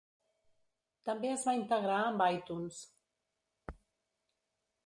També es va integrar amb iTunes.